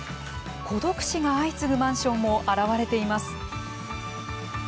孤独死が相次ぐマンションも現れています。